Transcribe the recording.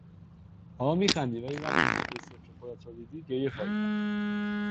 حالا میخندی ولی وقتی نمرهی صفر خودت را دیدی گریه خواهی کرد!